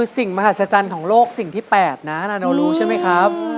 สิ่งมหัศจรรย์ของโลกสิ่งที่๘นะเรารู้ใช่ไหมครับ